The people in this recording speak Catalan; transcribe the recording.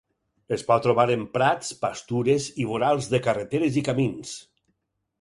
Es pot trobar en prats, pastures i vorals de carreteres i camins.